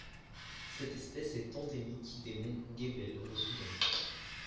Cette espèce est endémique des monts Gebel au Soudan.